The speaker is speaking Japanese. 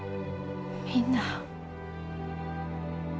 みんな。